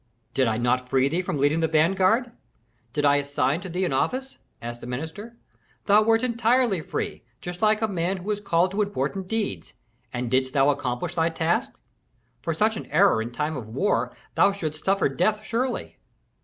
"Did I not free thee from leading the vanguard? Did I assign to thee an office?" asked the minister. "Thou wert entirely free, just like a man who is called to important deeds. And didst thou accomplish thy task? For such an error in time of war thou shouldst suffer death surely."